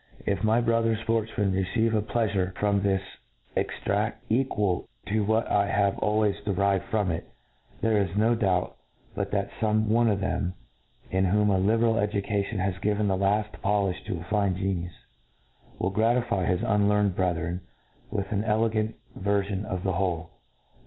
If my brother fportfmen receive a plea fure from this extraft equal to what I have al \rays derived from it, there is no doubt but that fome one of thfem^ in whom a liberal edu cation has given the laft polifh to a, fine genius^ will gratify his unlearned brethren with an ele gant verfion of the whole.